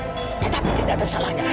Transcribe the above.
tetapi tidak ada salahnya